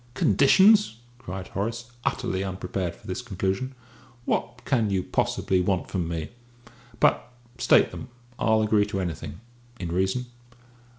"Conditions!" cried Horace, utterly unprepared for this conclusion. "What can you possibly want from me? But state them. I'll agree to anything, in reason!"